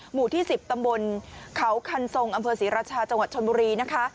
หมู่ที่๑๐ตำบลเขาคันทรงอำเภอศรีราชาจังหวัดชนบุรีนะคะ